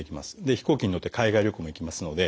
飛行機に乗って海外旅行も行けますので。